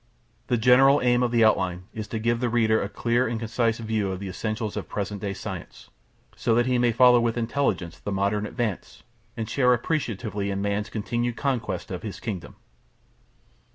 The general aim of the OUTLINE is to give the reader a clear and concise view of the essentials of present day science, so that he may follow with intelligence the modern advance and share appreciatively in man's continued conquest of his kingdom.